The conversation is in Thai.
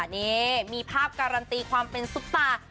นี่มีภาพการันตีความเป็นซุปตา